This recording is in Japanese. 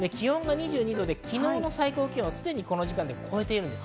昨日の最高気温をすでにこの時間で超えています。